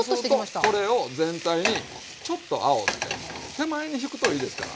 そうするとこれを全体にちょっとあおって手前に引くといいですから。